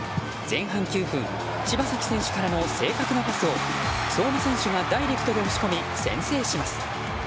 前半９分、柴崎選手からの正確なパスを相馬選手がダイレクトで押し込み先制します。